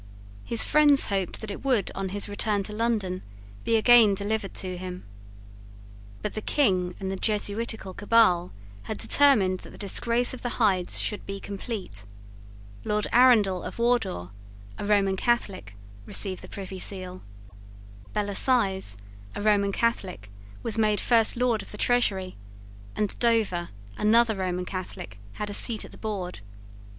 His friends hoped that it would, on his return to London, be again delivered to him. But the King and the Jesuitical cabal had determined that the disgrace of the Hydes should be complete. Lord Arundell of Wardour, a Roman Catholic, received the Privy Seal. Bellasyse, a Roman Catholic, was made First Lord of the Treasury; and Dover, another Roman Catholic, had a seat at the board.